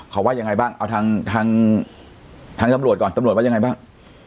เขาว่ายังไงบ้างเอาทางทางตำรวจก่อนตำรวจว่ายังไงบ้าง